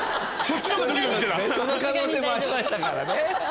その可能性もありましたからね。